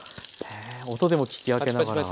へえ音でも聞き分けながら。